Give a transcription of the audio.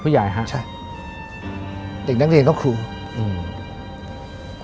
ผู้ใหญ่ฮะใช่เด็กนักเรียนก็ครูอืม